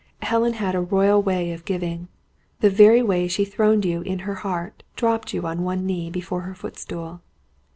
Helen had a royal way of giving. The very way she throned you in her heart, dropped you on one knee before her footstool.